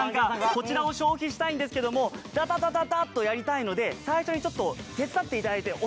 こちらを消費したいんですけどもダダダダダッとやりたいので最初にちょっと手伝っていただいておきたい。